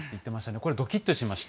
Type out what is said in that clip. これ、どきっとしました。